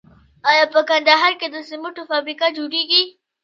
آیا په کندهار کې د سمنټو فابریکه جوړیږي؟